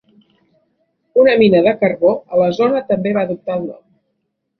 Un mina de carbó a la zona també va adoptar el nom.